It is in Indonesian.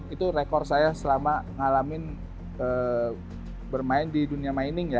itu rekor saya selama ngalamin bermain di dunia mining ya